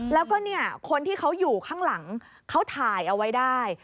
แล้วก็เนี่ยคนที่เขาอยู่ข้างหลังเขาถ่ายเอาไว้ได้